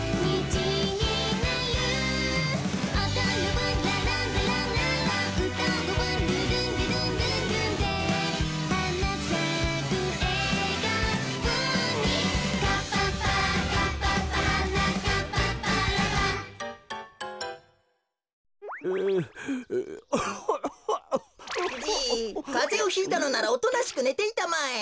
じいかぜをひいたのならおとなしくねていたまえ。